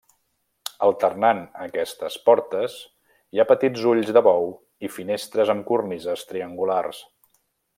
Alternant aquestes portes hi ha petits ulls de bou i finestres amb cornises triangulars.